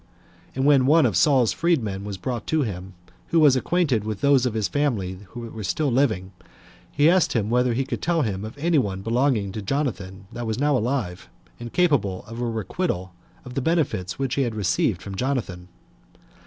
And when one of Saul's freed men was brought to him, who was acquainted with those of his family that were still living, he asked him whether he could tell him of any one belonging to Jonathan that was now alive, and capable of a requital of the benefits which he had received from Jonathan.